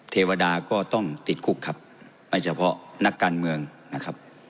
เทวดาก็ต้องติดคุกครับไม่เฉพาะนักการเมืองนะครับ